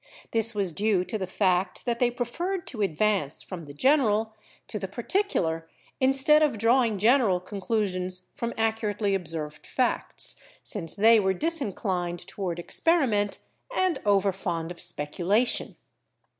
This was due to the fact that they preferred to advance from the general to the particular, instead of drawing general conclusions from accurately observed facts, s'ince they were disinclined to ward experiment and over fond of speculation.